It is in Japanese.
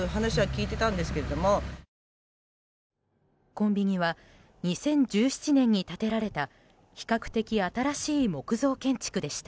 コンビニは２０１７年に建てられた比較的新しい木造建築でした。